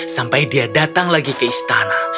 sampai dia datang lagi ke istana